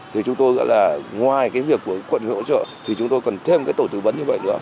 thì chúng tôi gọi là ngoài cái việc của quận hỗ trợ thì chúng tôi cần thêm cái tổ tư vấn như vậy nữa